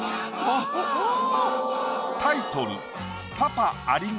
タイトル